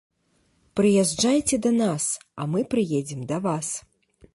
Прыязджайце да нас, а мы прыедзем да вас.